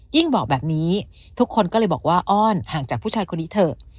บอกแบบนี้ทุกคนก็เลยบอกว่าอ้อนห่างจากผู้ชายคนนี้เถอะ